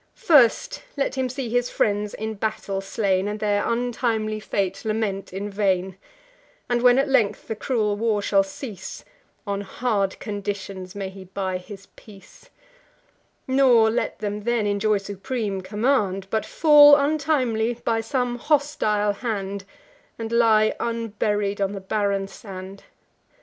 First, let him see his friends in battle slain, And their untimely fate lament in vain; And when, at length, the cruel war shall cease, On hard conditions may he buy his peace: Nor let him then enjoy supreme command; But fall, untimely, by some hostile hand, And lie unburied on the barren sand!